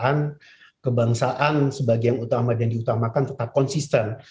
mengedepankan komitmen ke negaraan kebangsaan sebagai yang utama dan diutamakan tetap konsisten